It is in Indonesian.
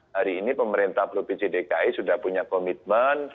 hari ini pemerintah provinsi dki sudah punya komitmen